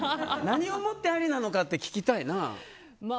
何をもってありなのかって聞きたいな。